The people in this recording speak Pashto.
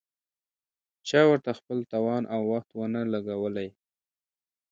چا ورته خپل توان او وخت ونه لګولې.